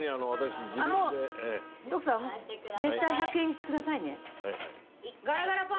徳さん絶対１００円にしてくださいね。